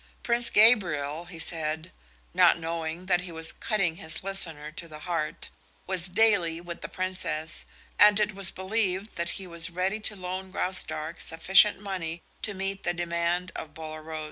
Prince Gabriel, he said, not knowing that he was cutting his listener to the heart, was daily with the Princess, and it was believed that he was ready to loan Graustark sufficient money to meet the demand of Bolaroz.